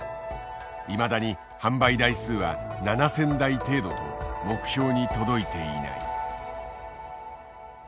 いまだに販売台数は７，０００台程度と目標に届いていない。